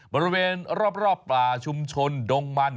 บริเวณรอบป่าชุมชนดงมัน